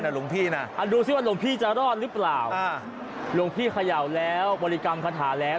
น่าลงพี่รณ์พี่จะรอดรึเปล่าอ่าโรงพี่ขยาวแล้วบริกรรมขาถาแล้ว